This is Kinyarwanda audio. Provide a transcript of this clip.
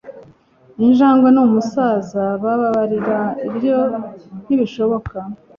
injangwe, n'umusaza, bababarira? ibyo ntibishoboka